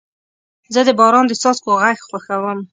زه د باران د څاڅکو غږ خوښوم.